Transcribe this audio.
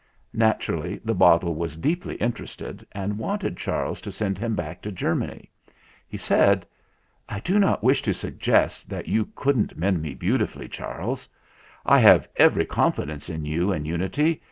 Naturally the bottle was deeply interested and wanted Charles to send him back to Ger many. He said: "I do not wish to suggest that you couldn't mend me beautifully, Charles. I have every confidence in you and Unity.